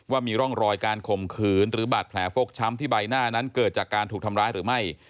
ว่ามีร่องรอยการข่มขืนหรือบาดแผลฟกช้ำที่ใบหน้านั้นเกิดจากการถูกทำร้ายหรือไม่